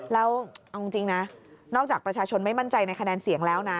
แล้วเอาจริงนะนอกจากประชาชนไม่มั่นใจในคะแนนเสียงแล้วนะ